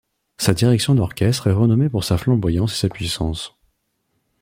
Sa direction d'orchestre est renommée pour sa flamboyance et sa puissance.